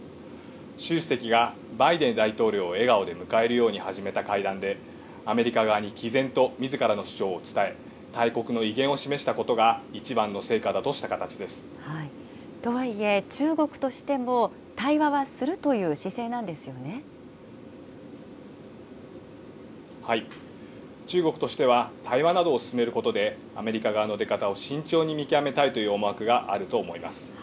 習主席がバイデン大統領を笑顔で迎えるように始めた会談で、アメリカ側にきぜんとみずからの主張を伝え、大国の威厳を示したこととはいえ、中国としても対話中国としては、対話などを進めることで、アメリカ側の出方を慎重に見極めたという思惑があると思います。